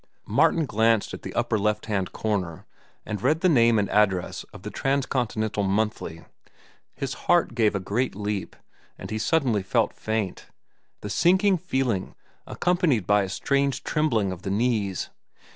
Martin glanced at the upper left hand corner and read the name and address of the Transcontinental Monthly. His heart gave a great leap, and he suddenly felt faint, the sinking feeling accompanied by a strange trembling of the knees.